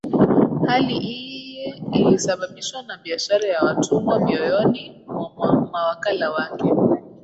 Hali iyi ilisababishwa na biashara ya watumwa mioyoni mwa mawakala wake